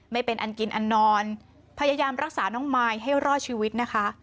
ไม่เป็นอันกินอันนอนพยายามรักษาน้องมายให้รอดชีวิตนะคะ